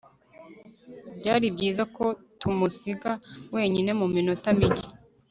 byari byiza ko tumusiga wenyine mu minota mike